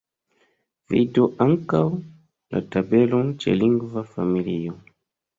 Vidu ankaŭ la tabelon ĉe lingva familio.